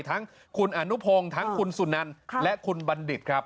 ทั้งคุณอนุพงศ์ทั้งคุณสุนันและคุณบัณฑิตครับ